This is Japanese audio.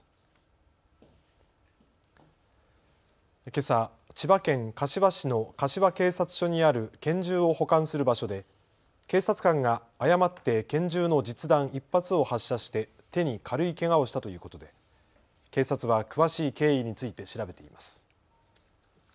けさ、千葉県柏市の柏警察署にある拳銃を保管する場所で警察官が誤って拳銃の実弾１発を発射して手に軽いけがをしたということで警察は詳しい経緯について調べています。